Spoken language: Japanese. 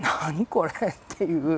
これっていう。